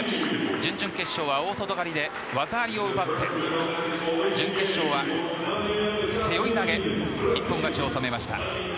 準々決勝は大内刈りで技ありを奪って準決勝は背負い投げで一本勝ちを収めました。